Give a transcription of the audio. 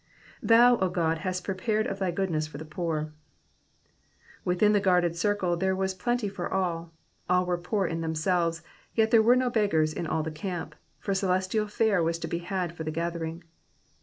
^^ThoUy 0 God^ hast prepared of thy goodness for the poor,^^ Within the guarded circle there was plenty for all ; all were poor in them selves, yet there were no beggars in all the camp, for celestial fare was to be had for the gathering.